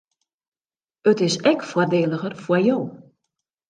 It is ek foardeliger foar jo.